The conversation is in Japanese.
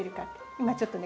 今ちょっとね